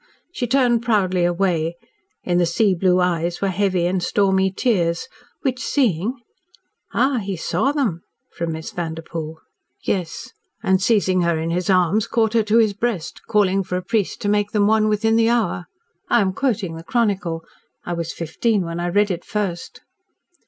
She turned proudly away in the sea blue eyes were heavy and stormy tears, which seeing " "Ah, he saw them?" from Miss Vanderpoel. "Yes. And seizing her in his arms caught her to his breast, calling for a priest to make them one within the hour. I am quoting the chronicle. I was fifteen when I read it first."